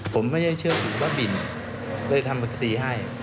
ผมไม่ได้เชื่อถือบ้าบินเลยทำคดีให้